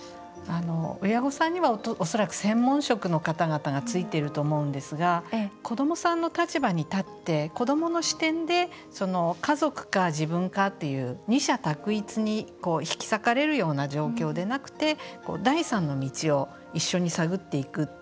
親御さんには恐らく、専門職の方々がついていると思うんですが子どもさんの立場に立って子どもの視点で家族か、自分かっていう二者択一に引き裂かれるような状況でなくて第三の道を一緒に探っていく。